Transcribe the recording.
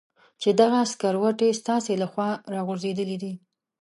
چې دغه سکروټې ستاسې له خوا را غورځېدلې دي.